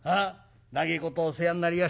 長えことお世話になりやした。